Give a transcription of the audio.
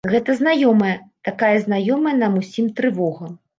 Гэта знаёмая, такая знаёмая нам усім трывога!